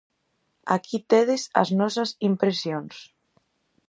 Aquí tedes as nosas impresións.